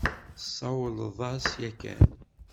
Tesawleḍ-as yakan?